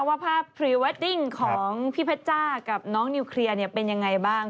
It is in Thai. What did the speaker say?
ว่าภาพพรีเวดดิ้งของพี่เพชจ้ากับน้องนิวเคลียร์เป็นยังไงบ้าง